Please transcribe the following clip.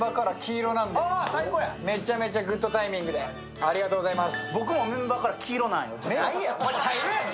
めちゃめちゃグッドタイミングでありがとうございます。